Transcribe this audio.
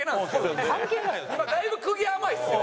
だいぶ釘甘いですよ。